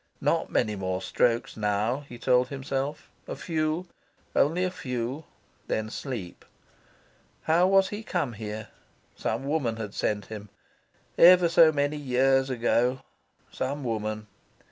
Not many more strokes now, he told himself; a few, only a few; then sleep. How was he come here? Some woman had sent him. Ever so many years ago, some woman.